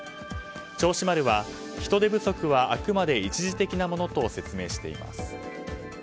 銚子丸は人手不足はあくまで一時的なものと説明しています。